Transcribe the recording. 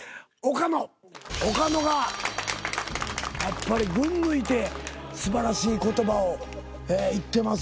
岡野がやっぱり群抜いて素晴らしい言葉を言ってますね。